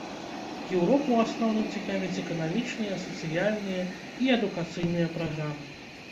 Еўропу ў асноўным цікавяць эканамічныя, сацыяльныя і адукацыйныя праграмы.